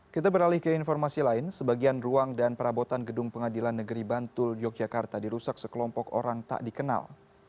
kita beralih ke informasi lain sebagian ruang dan perabotan gedung pengadilan negeri bantul yogyakarta dirusak sekelompok orang tak dikenal